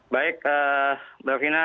baik bapak fina